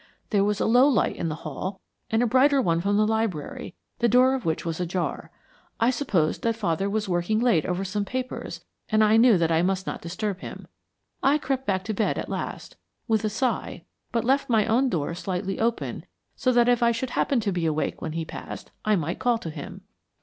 There was a low light in the hall and a brighter one from the library, the door of which was ajar. I supposed that father was working late over some papers, and I knew that I must not disturb him. I crept back to bed at last, with a sigh, but left my own door slightly open, so that if I should happen to be awake when he passed, I might call to him.